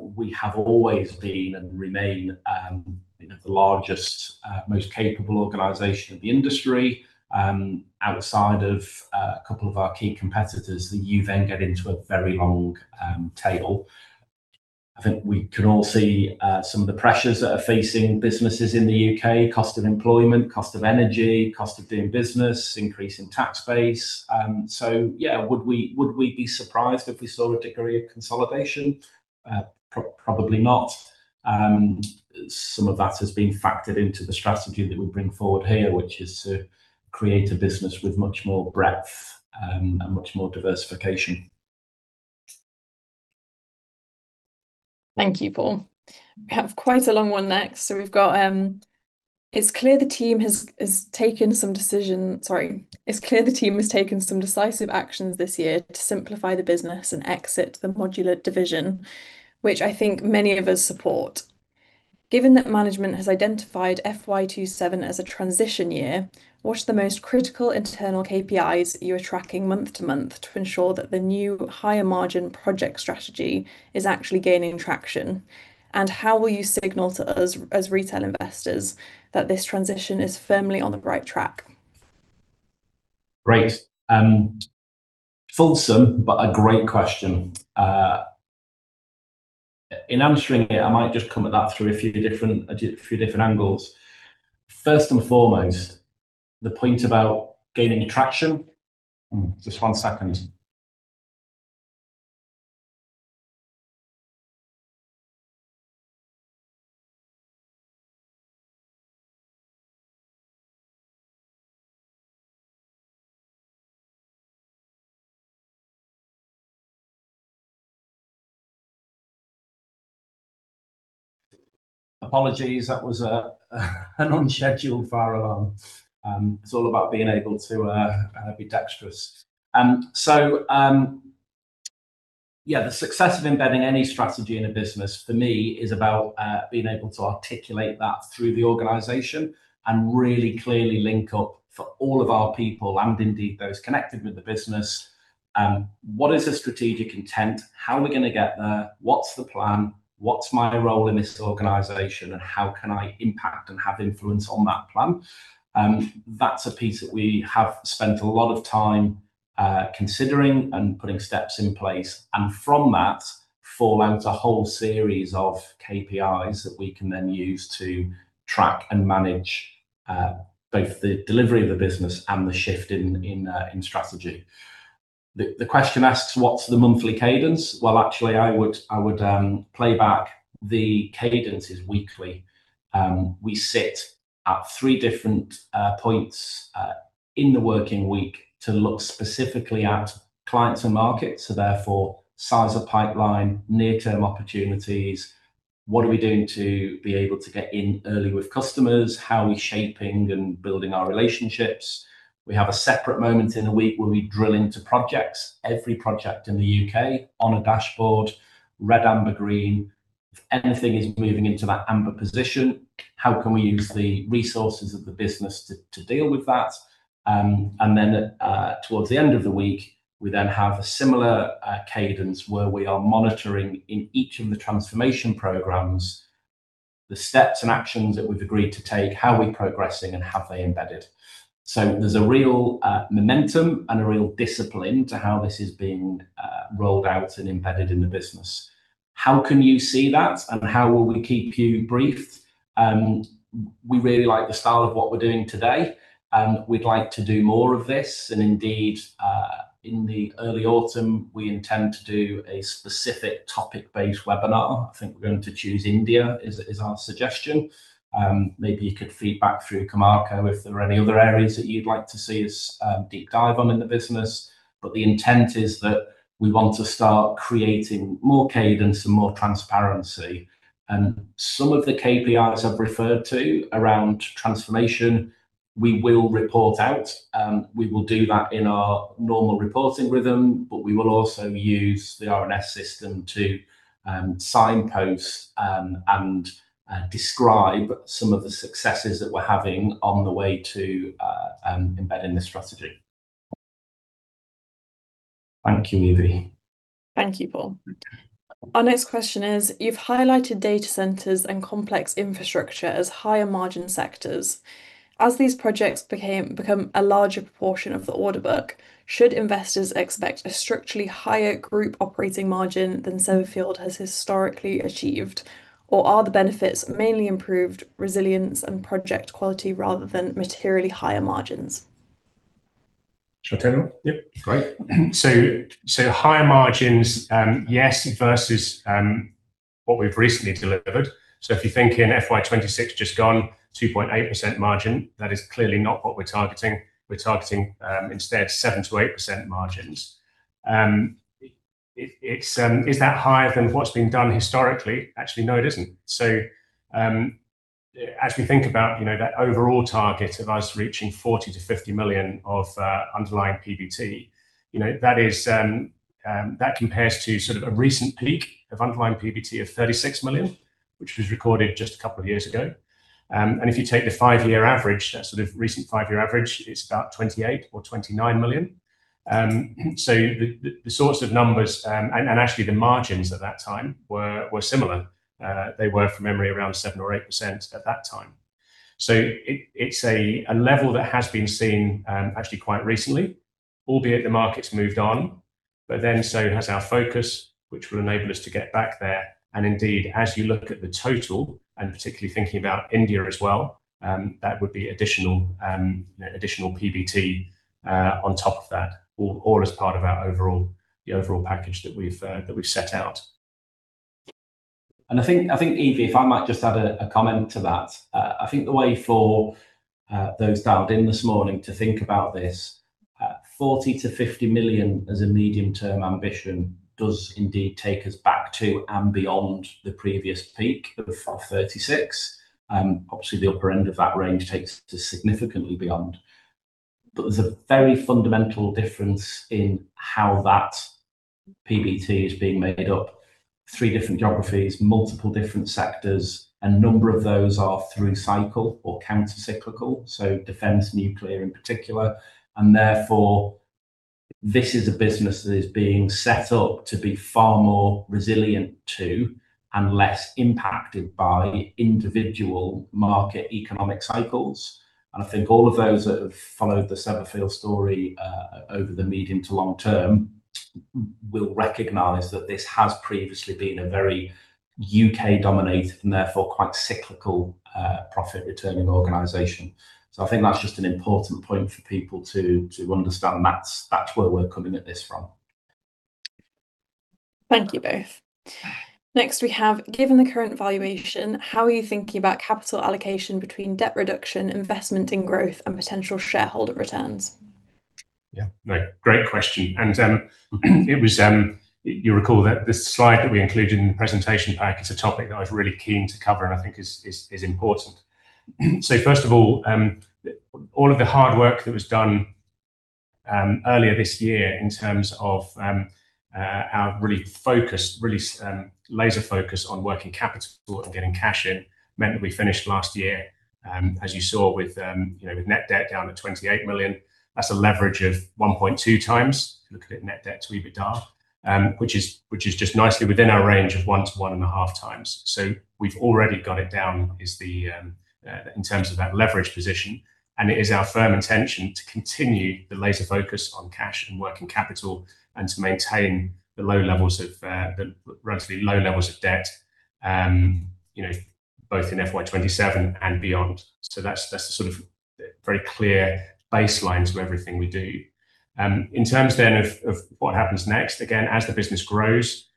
we have always been and remain the largest, most capable organization in the industry, outside of a couple of our key competitors that you then get into a very long tail. I think we can all see some of the pressures that are facing businesses in the U.K., cost of employment, cost of energy, cost of doing business, increase in tax base. Would we be surprised if we saw a degree of consolidation? Probably not. Some of that has been factored into the strategy that we bring forward here, which is to create a business with much more breadth and much more diversification. Thank you, Paul. We have quite a long one next. It's clear the team has taken some decisive actions this year to simplify the business and exit the modular division, which I think many of us support. Given that management has identified FY 2027 as a transition year. What are the most critical internal KPIs that you are tracking month to month to ensure that the new higher margin project strategy is actually gaining traction? How will you signal to us as retail investors that this transition is firmly on the right track? Great. Fulsome, but a great question. In answering it, I might just come at that through a few different angles. First and foremost, the point about gaining traction. Just one second. Apologies, that was an unscheduled fire alarm. It's all about being able to be dexterous. Yeah, the success of embedding any strategy in a business, for me, is about being able to articulate that through the organization and really clearly link up for all of our people and indeed those connected with the business. What is the strategic intent? How are we going to get there? What's the plan? What's my role in this organization, and how can I impact and have influence on that plan? That's a piece that we have spent a lot of time considering and putting steps in place. From that, fall out a whole series of KPIs that we can then use to track and manage both the delivery of the business and the shift in strategy. The question asks, what's the monthly cadence? Actually, I would play back the cadence is weekly. We sit at three different points in the working week to look specifically at clients and markets, therefore size of pipeline, near-term opportunities. What are we doing to be able to get in early with customers? How are we shaping and building our relationships? We have a separate moment in the week where we drill into projects, every project in the U.K. on a dashboard, red, amber, green. If anything is moving into that amber position, how can we use the resources of the business to deal with that? Towards the end of the week, we then have a similar cadence where we are monitoring in each of the transformation programs. The steps and actions that we've agreed to take, how we're progressing and have they embedded. There's a real momentum and a real discipline to how this is being rolled out and embedded in the business. How can you see that and how will we keep you briefed? We really like the style of what we're doing today. We'd like to do more of this, and indeed, in the early autumn, we intend to do a specific topic-based webinar. I think we're going to choose India is our suggestion. Maybe you could feed back through Camarco if there are any other areas that you'd like to see us deep dive on in the business. The intent is that we want to start creating more cadence and more transparency. Some of the KPIs I've referred to around transformation, we will report out. We will do that in our normal reporting rhythm, but we will also use the RNS system to signpost and describe some of the successes that we're having on the way to embedding this strategy. Thank you, Evie. Thank you, Paul. Our next question is, you've highlighted data centers and complex infrastructure as higher margin sectors. As these projects become a larger proportion of the order book, should investors expect a structurally higher group operating margin than Severfield has historically achieved? Or are the benefits mainly improved resilience and project quality rather than materially higher margins? Shall I tell you? Yep, great. Higher margins, yes, versus what we've recently delivered. If you think in FY 2026, just gone 2.8% margin, that is clearly not what we're targeting. We're targeting instead 7%-8% margins. Is that higher than what's been done historically? Actually, no, it isn't. As we think about that overall target of us reaching 40 million-50 million of underlying PBT, that compares to a recent peak of underlying PBT of 36 million, which was recorded just a couple of years ago. And if you take the five-year average, that recent five-year average, it's about 28 million or 29 million. The sorts of numbers, and actually the margins at that time were similar. They were, from memory, around 7% or 8% at that time. It's a level that has been seen, actually quite recently, albeit the market's moved on, but then so has our focus, which will enable us to get back there. Indeed, as you look at the total, and particularly thinking about India as well, that would be additional PBT on top of that, all as part of the overall package that we've set out. I think, Evie, if I might just add a comment to that. I think the way for those dialed in this morning to think about this, 40 million-50 million as a medium-term ambition does indeed take us back to and beyond the previous peak of 36 million. Obviously, the upper end of that range takes us significantly beyond. There's a very fundamental difference in how that PBT is being made up. Three different geographies, multiple different sectors. A number of those are through cycle or counter-cyclical, so defense, nuclear in particular, and therefore, this is a business that is being set up to be far more resilient to, and less impacted by, individual market economic cycles. I think all of those that have followed the Severfield story over the medium to long term will recognize that this has previously been a very U.K.-dominated, and therefore quite cyclical, profit returning organization. I think that's just an important point for people to understand. That's where we're coming at this from. Thank you, both. Next we have, given the current valuation, how are you thinking about capital allocation between debt reduction, investment in growth, and potential shareholder returns? Yeah. Great question. You recall that the slide that we included in the presentation pack is a topic that I was really keen to cover, and I think is important. First of all of the hard work that was done earlier this year in terms of our really focused, really laser focused, on working capital and getting cash in, meant that we finished last year, as you saw, with net debt down at 28 million. That's a leverage of 1.2x if you look at it net debt to EBITDA, which is just nicely within our range of 1.0x-1.5x. We've already got it down in terms of that leverage position, and it is our firm intention to continue the laser focus on cash and working capital and to maintain the relatively low levels of debt, both in FY 2027 and beyond. That's the sort of very clear baseline to everything we do. In order then of what happens next, again, as the business grows,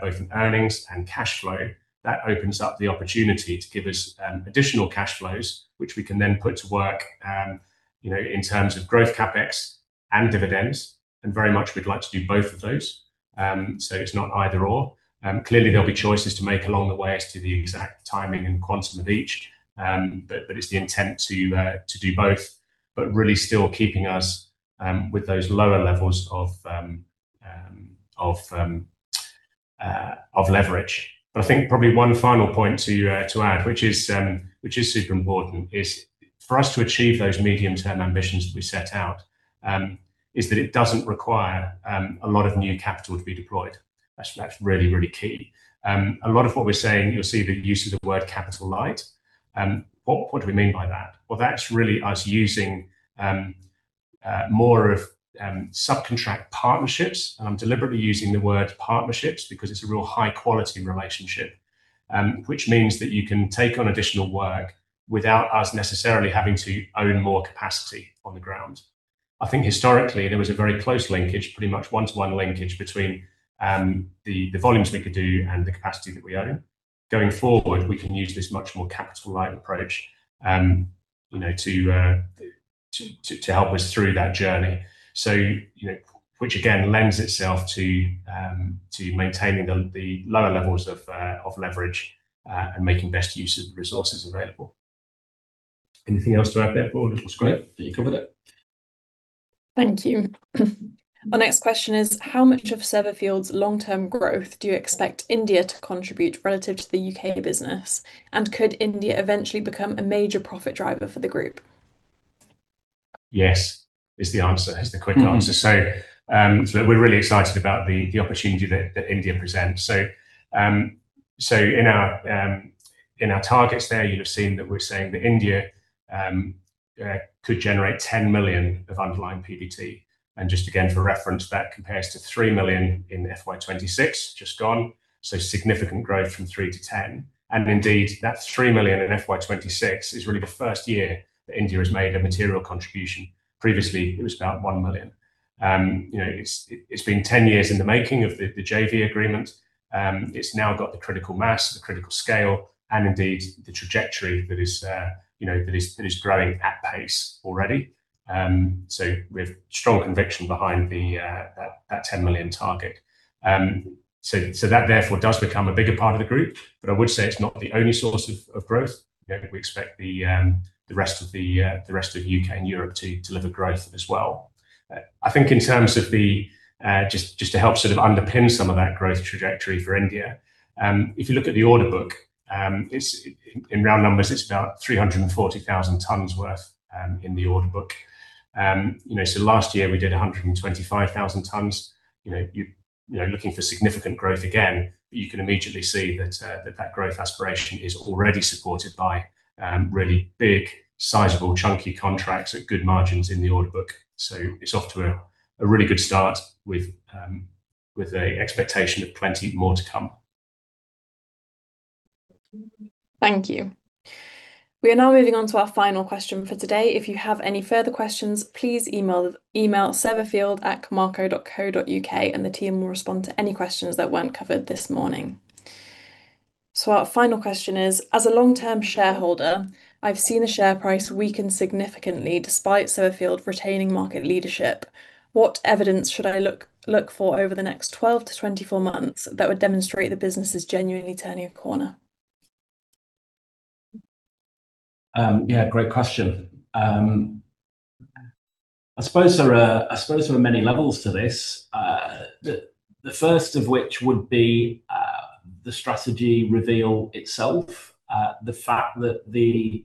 both in earnings and cash flow, that opens up the opportunity to give us additional cash flows. Which we can then put to work in terms of growth CapEx and dividends, and very much we'd like to do both of those. It's not either/or. Clearly, there'll be choices to make along the way as to the exact timing and quantum of each, but it's the intent to do both, but really still keeping us with those lower levels of leverage. I think probably one final point to add, which is super important, is for us to achieve those medium-term ambitions that we set out. Is that it doesn't require a lot of new capital to be deployed. That's really, really key. A lot of what we're saying, you'll see the usage of word Capital-light. What do we mean by that? Well, that's really us using more of subcontract partnerships. I'm deliberately using the word partnerships because it's a real high-quality relationship. Which means that you can take on additional work without us necessarily having to own more capacity on the ground. I think historically there was a very close linkage, pretty much one-to-one linkage, between the volumes we could do and the capacity that we own. Going forward, we can use this much more capital light approach to help us through that journey. Which again, lends itself to maintaining the lower levels of leverage, and making best use of the resources available. Anything else to add there, Paul, or it was great? I think you covered it. Thank you. Our next question is, how much of Severfield's long-term growth do you expect India to contribute relative to the U.K. business? And could India eventually become a major profit driver for the group? Yes is the answer, is the quick answer. We're really excited about the opportunity that India presents. In our targets there, you'll have seen that we're saying that India could generate 10 million of underlying PBT. Just again, for reference, that compares to 3 million in FY 2026, just gone, significant growth from 3 million-10million. Indeed, that 3 million in FY 2026 is really the first year that India has made a material contribution. Previously, it was about 1 million. It's been 10 years in the making of the JV agreement. It's now got the critical mass, the critical scale, and indeed, the trajectory that is growing at pace already. We have strong conviction behind that 10 million target. That therefore does become a bigger part of the group. I would say it's not the only source of growth. We expect the rest of U.K. and Europe to deliver growth as well. I think in terms of the, just to help underpin some of that growth trajectory for India, if you look at the order book, in round numbers, it's about 340,000 tons worth in the order book. Last year we did 125,000 tons. You're looking for significant growth again, but you can immediately see that that growth aspiration is already supported by really big, sizable, chunky contracts at good margins in the order book. It's off to a really good start with a expectation of plenty more to come. Thank you. We are now moving on to our final question for today. If you have any further questions, please email severfield@camarco.co.uk and the team will respond to any questions that weren't covered this morning. Our final question is, as a long-term shareholder, I've seen the share price weaken significantly despite Severfield retaining market leadership. What evidence should I look for over the next 12 months-24 months that would demonstrate the business is genuinely turning a corner? Yeah, great question. I suppose there are many levels to this. The first of which would be the strategy reveal itself. The fact that the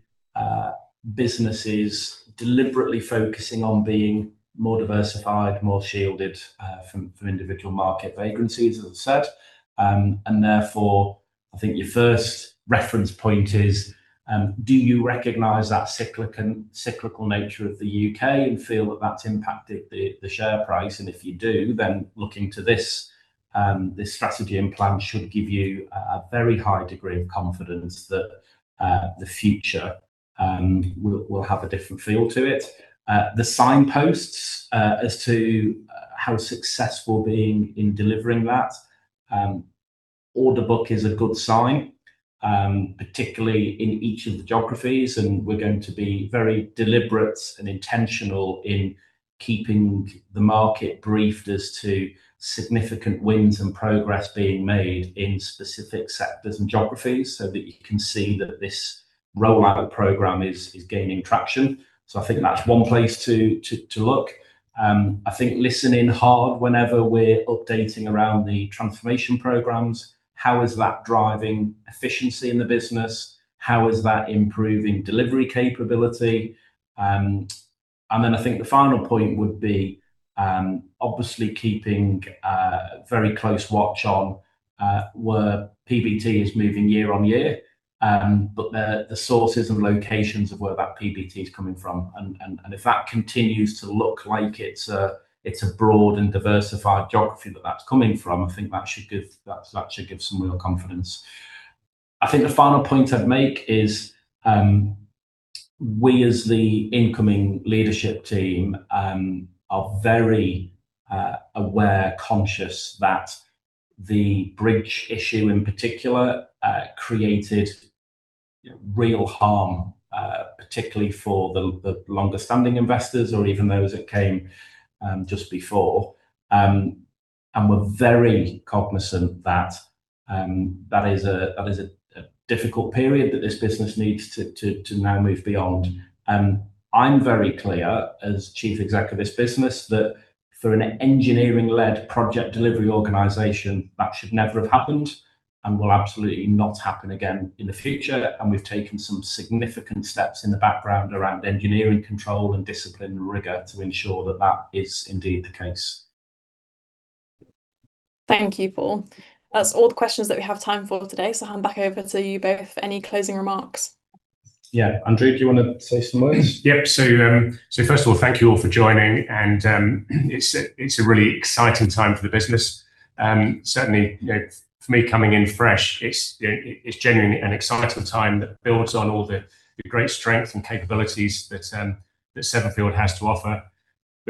business is deliberately focusing on being more diversified, more shielded from individual market vagrancies, as I've said. Therefore, I think your first reference point is, do you recognize that cyclical nature of the U.K. and feel that that's impacted the share price? If you do, then looking to this strategy and plan should give you a very high degree of confidence that the future will have a different feel to it. The signposts as to how successful being in delivering that, order book is a good sign, particularly in each of the geographies. We're going to be very deliberate and intentional in keeping the market briefed as to significant wins and progress being made in specific sectors and geographies so that you can see that this rollout of program is gaining traction. I think that's one place to look. I think listening hard whenever we're updating around the transformation programs. How is that driving efficiency in the business? How is that improving delivery capability? Then I think the final point would be, obviously keeping a very close watch on where PBT is moving year-on-year. The sources and locations of where that PBT is coming from, and if that continues to look like it's a broad and diversified geography that that's coming from, I think that should give some real confidence. I think the final point I'd make is, we as the incoming leadership team, are very aware, conscious that the bridge issue in particular, created real harm, particularly for the longer-standing investors or even those that came just before. We're very cognizant that that is a difficult period that this business needs to now move beyond. I'm very clear as Chief Executive of this business, that for an engineering-led project delivery organization, that should never have happened and will absolutely not happen again in the future. We've taken some significant steps in the background around engineering control and discipline rigor to ensure that that is indeed the case. Thank you, Paul. That's all the questions that we have time for today, I'll hand back over to you both for any closing remarks. Yeah. Andrew, do you want to say some words? Yep. First of all, thank you all for joining. It's a really exciting time for the business. Certainly, for me coming in fresh, it's genuinely an exciting time that builds on all the great strength and capabilities that Severfield has to offer.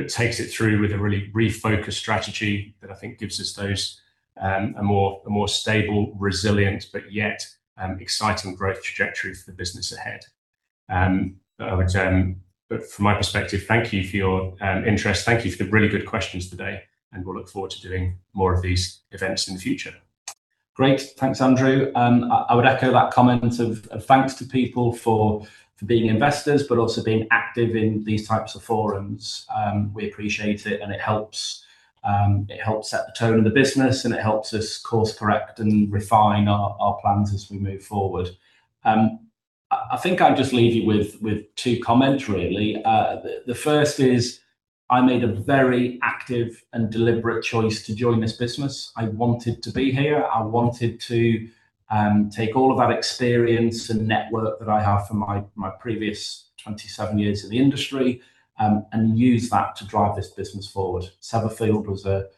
Takes it through with a really refocused strategy that I think gives us a more stable, resilient, yet exciting growth trajectory for the business ahead. From my perspective, thank you for your interest. Thank you for the really good questions today, we'll look forward to doing more of these events in the future. Great. Thanks, Andrew. I would echo that comment of thanks to people for being investors, also being active in these types of forums. We appreciate it helps set the tone of the business, it helps us course correct and refine our plans as we move forward. I think I will just leave you with two comments really. The first is, I made a very active and deliberate choice to join this business. I wanted to be here. I wanted to take all of that experience and network that I have from my previous 27 years in the industry, and use that to drive this business forward. Severfield was a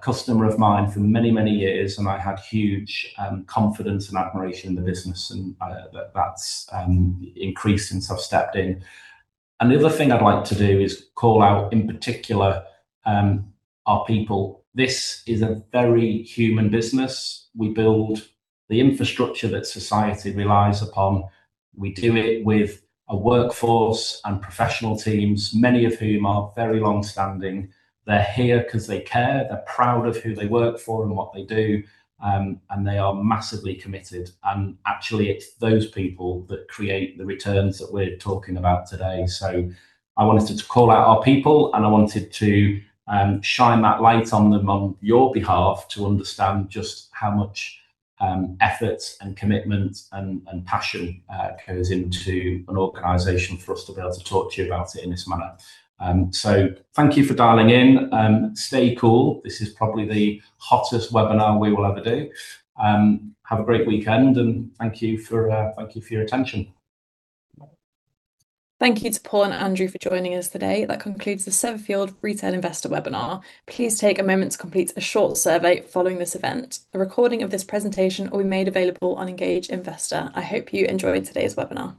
customer of mine for many, many years, and I had huge confidence and admiration in the business, and that has increased since I have stepped in. The other thing I would like to do is call out, in particular, our people. This is a very human business. We build the infrastructure that society relies upon. We do it with a workforce and professional teams, many of whom are very long-standing. They are here because they care. They are proud of who they work for and what they do. They are massively committed. Actually, it is those people that create the returns that we are talking about today. I wanted to call out our people, and I wanted to shine that light on them on your behalf to understand just how much effort and commitment and passion goes into an organization for us to be able to talk to you about it in this manner. Thank you for dialing in. Stay cool. This is probably the hottest webinar we will ever do. Have a great weekend, and thank you for your attention. Thank you to Paul and Andrew for joining us today. That concludes the Severfield Retail Investor Webinar. Please take a moment to complete a short survey following this event. A recording of this presentation will be made available on Engage Investor. I hope you enjoyed today's webinar.